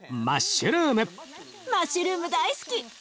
マッシュルーム大好き！